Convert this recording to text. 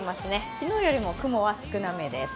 昨日よりも雲は少なめです。